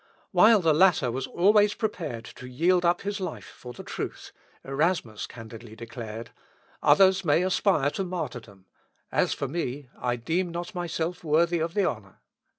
While the latter was always prepared to yield up his life for the truth, Erasmus candidly declared, "Others may aspire to martyrdom; as for me, I deem not myself worthy of the honour.